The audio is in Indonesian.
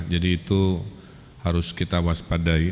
jadi itu harus kita waspadai